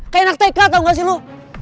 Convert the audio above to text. kayak nak teka tau gak sih lo